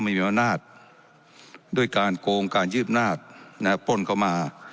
มันได้มีแม้งหนาดด้วยการโกงการยืบหนาดปล้นเข้ามา